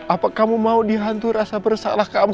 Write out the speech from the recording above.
apa kamu mau dihantu rasa bersalah kamu